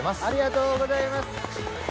ありがとうございます。